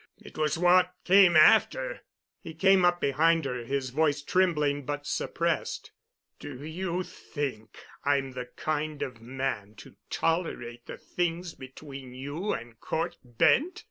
It was what came after——" He came up behind her, his voice trembling but suppressed. "Do you think I'm the kind of man to tolerate the things between you and Cort Bent?